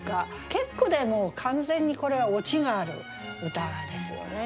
結句でもう完全にこれはオチがある歌ですよね。